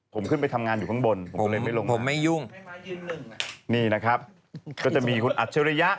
ผมขึ้นไปทำงานอยู่ข้างบนผมก็เลยไม่ลงผมไม่ยุ่งนี่นะครับก็จะมีคุณอัจฉริยะ